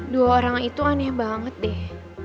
dua orang itu aneh banget deh